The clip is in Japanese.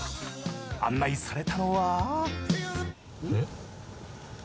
案内されたのは。